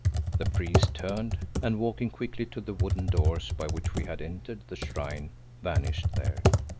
The priest turned and walking quickly to the wooden doors by which we had entered the shrine, vanished there.